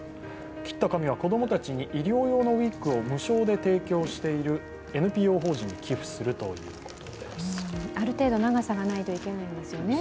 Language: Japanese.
切った髪は子供たちに医療用のウイッグを無償で提供しているＮＰＯ法人に寄付するということですある程度長さがないといけないんですよね。